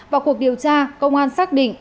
vào cuộc điều tra công an xác định